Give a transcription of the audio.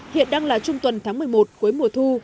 hiện đang là trung tuần tháng một mươi một cuối mùa thu